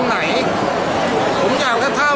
นั่งคุยเจ้าจี้กว่า